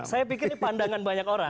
saya pikir ini pandangan banyak orang